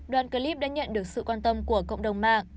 đoàn clip đã nhận được sự quan tâm của cộng đồng mạng